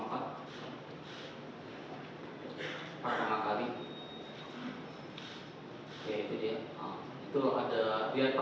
jadi kalau kita lihat dari kamera